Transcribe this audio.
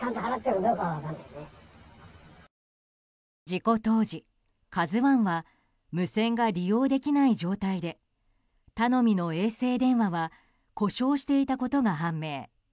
事故当時、「ＫＡＺＵ１」は無線が利用できない状態で頼みの衛星電話は故障していたことが判明。